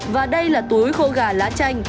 và đây là túi khô gà lá chanh